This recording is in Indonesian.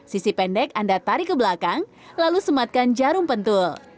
sisi pendek anda tarik ke belakang lalu sematkan jarum pentul